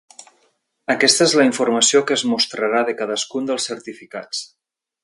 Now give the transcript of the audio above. Aquesta és la informació que es mostrarà de cadascun dels certificats.